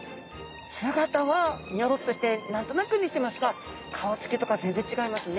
姿はニョロッとして何となくにてますが顔つきとかぜんぜん違いますね。